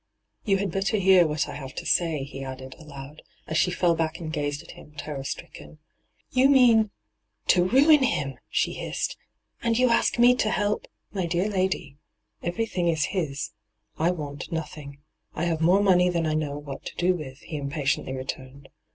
' You had better hear what I have to say,' he added, aloud, as she fell back and gazed at him, terror stricken. ' You mean — to ruin him t' she hissed. ' And you ask me to help '' My dear lady, everything is his. I want nothing, I have more money than I know what to do with,' he impatiently returned.